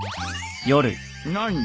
何？